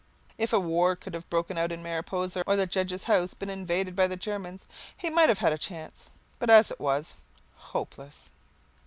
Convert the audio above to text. If a war could have broken out in Mariposa, or the judge's house been invaded by the Germans, he might have had a chance, but as it was hopeless.